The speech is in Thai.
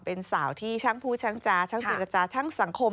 เป็นสาวที่ช่างพูดช่างจาช่างเจรจาทั้งสังคม